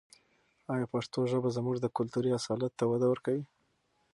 آیا پښتو ژبه زموږ کلتوري اصالت ته وده ورکوي؟